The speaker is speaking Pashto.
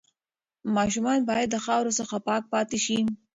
ماشومان باید د خاورو څخه پاک پاتې شي.